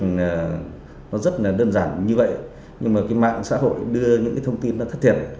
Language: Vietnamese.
nó rất là đơn giản như vậy nhưng mà mạng xã hội đưa những thông tin thất thiệt